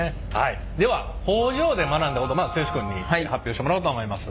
では工場で学んだこと剛君に発表してもらおうと思います。